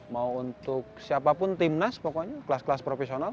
mau untuk siapapun timnas pokoknya kelas kelas profesional